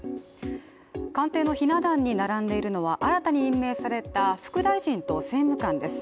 官邸のひな壇に並んでいるのは新たに任命された副大臣と政務官です。